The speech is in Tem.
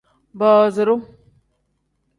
Booziru.